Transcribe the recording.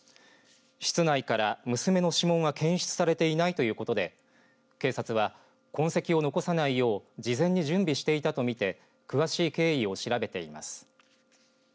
室内から娘の指紋は検出されていないということで警察は痕跡を残さないよう事前に準備していたと見て詳しい経緯を調べています。